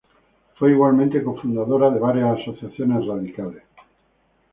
Fue igualmente cofundadora de varias asociaciones radicales.